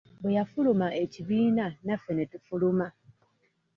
Bwe yafuluma ekibiina naffe ne tufuluma.